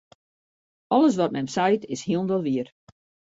Alles wat mem seit, is hielendal wier.